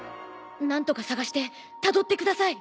何とか探してたどってください！